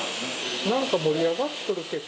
なんか盛り上がっとるけど。